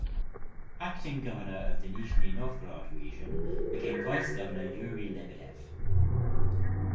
Acting Governor of the Nizhny Novgorod Region became Vice Governor Yuri Lebedev.